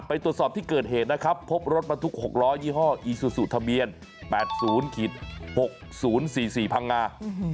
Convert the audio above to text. ตรวจสอบที่เกิดเหตุนะครับพบรถบรรทุก๖ล้อยี่ห้ออีซูซูทะเบียน๘๐๖๐๔๔พังงา